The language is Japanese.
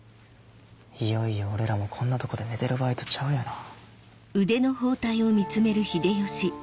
いよいよ俺らもこんなとこで寝てる場合とちゃうやろ。